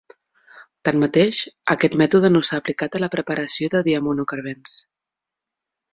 Tanmateix, aquest mètode no s'ha aplicat a la preparació de diaminocarbens.